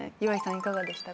いかがでしたか？